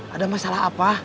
ada masalah apa